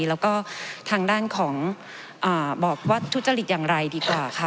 แล้วก็ทางด้านของบอกว่าทุจริตอย่างไรดีกว่าค่ะ